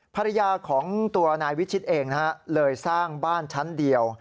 ภรรยาของตัวนายวิชิตเองนะฮะเลยสร้างบ้านชั้นเดียว